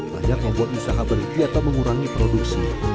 banyak membuat usaha berhenti atau mengurangi produksi